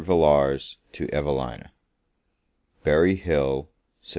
VILLARS TO EVELINA. Berry Hill, Sept.